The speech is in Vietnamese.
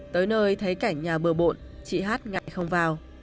tới nơi thấy cảnh nhà bờ bộn chị hát ngại không vào